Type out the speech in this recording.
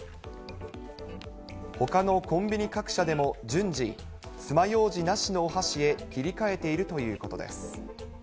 ほかのコンビニ各社でも順次、つまようじなしのお箸へ切り替えているということです。